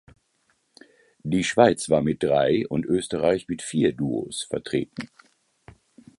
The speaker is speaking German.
Die Schweiz war mit drei und Österreich mit vier Duos vertreten.